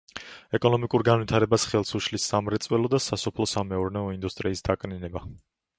ეკონომიკურ განვითარებას ხელს უშლის სამრეწველო და სასოფლო-სამეურნეო ინდუსტრიის დაკნინება.